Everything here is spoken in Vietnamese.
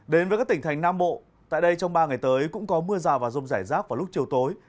đến với các tỉnh thành nam bộ tại đây trong ba ngày tới cũng có mưa rào và rông rải rác vào lúc chiều tối